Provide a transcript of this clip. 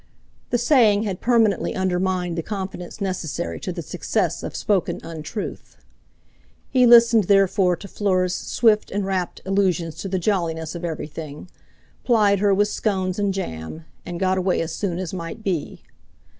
The saying had permanently undermined the confidence necessary to the success of spoken untruth. He listened therefore to Fleur's swift and rapt allusions to the jolliness of everything, plied her with scones and jam, and got away as soon as might be.